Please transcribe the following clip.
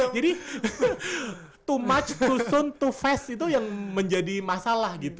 jadi too much too soon too fast itu yang menjadi masalah gitu